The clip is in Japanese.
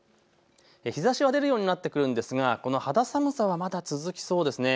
日ざしが出るようになってくるのですが肌寒さはまだ続きそうです。